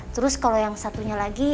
terus kalau yang satunya lagi